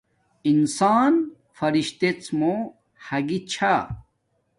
انسان فرشتہس موں ھاگی چھا